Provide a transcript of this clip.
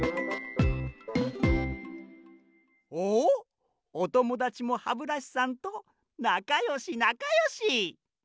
おっおともだちもハブラシさんとなかよしなかよし！